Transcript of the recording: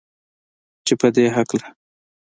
چې پدې هکله